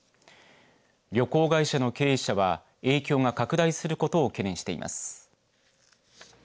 旅行会社の経営者は影響が拡大することを懸念しています。